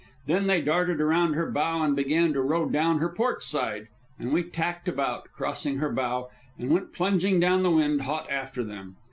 Then they darted around her bow and began the row down her port side, and we tacked about, crossed her bow, and went plunging down the wind hot after them.